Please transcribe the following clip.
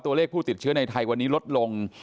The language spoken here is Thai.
ตัวเลขผู้ติดเชื้อในไทยวันนี้ลดลง